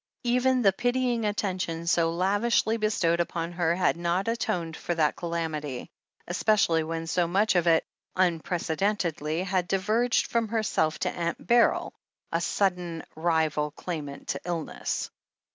Even the pitying attention so lavishly bestowed upon her had not atoned for that calamity, especially when so much of it, unprecedentedly, had diverged from her self to Aunt Beryl, a sudden rival claimant to illness.